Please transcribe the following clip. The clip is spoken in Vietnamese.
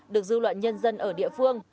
được dư luận nhân dân ở địa phương